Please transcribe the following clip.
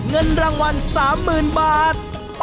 เงินรางวัล๓๐๐๐บาท